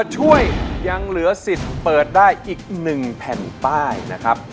ช่วยยังเหลือสิทธิ์เปิดได้อีก๑แผ่นป้ายนะครับ